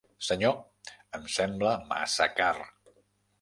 Senyor, em sembla massa car.